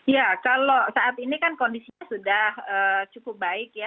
ya kalau saat ini kan kondisinya sudah cukup baik ya